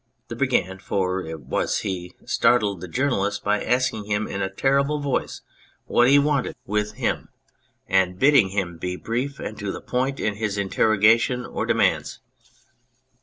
The Brigand (for it was he) startled the journalist by asking in a terrible voice what he wanted with 187 On Anything him, and bidding him be brief and to the point in his interrogations or demands.